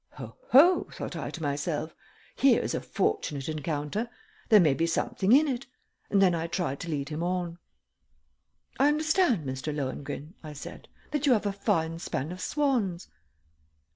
"Ho ho!" thought I to myself. "Here is a fortunate encounter; there may be something in it," and then I tried to lead him on. "I understand, Mr. Lohengrin," I said, "that you have a fine span of swans."